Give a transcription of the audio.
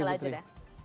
terima kasih butri